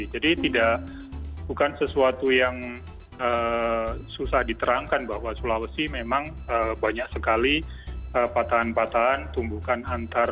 jadi bukan sesuatu yang susah diterangkan bahwa sulawesi memang banyak sekali patahan patahan tumbuhkan antar